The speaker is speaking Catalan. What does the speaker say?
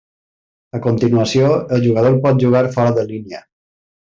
A continuació, el jugador pot jugar fora de línia.